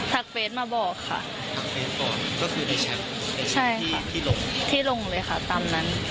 เฟสมาบอกค่ะทักเฟสก่อนก็คือได้แชทที่ลงที่ลงเลยค่ะตามนั้น